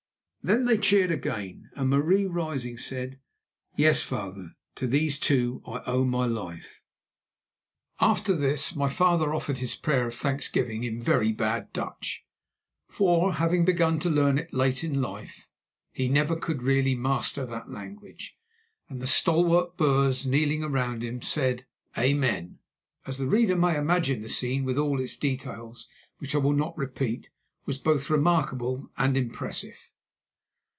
Then they cheered again, and Marie, rising, said: "Yes, father; to these two I owe my life." After this, my father offered his prayer of thanksgiving in very bad Dutch—for, having begun to learn it late in life, he never could really master that language—and the stalwart Boers, kneeling round him, said "Amen." As the reader may imagine, the scene, with all its details, which I will not repeat, was both remarkable and impressive.